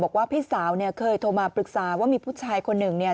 พี่สาวเนี่ยเคยโทรมาปรึกษาว่ามีผู้ชายคนหนึ่งเนี่ย